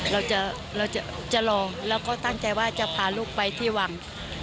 เราจะรอแล้วก็ตั้งใจว่าจะพาลูกไปที่วัง